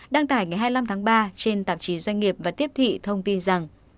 đăng tải ngày hai mươi năm tháng ba trên tạp chí doanh nghiệp và tiếp thị thông tin rằng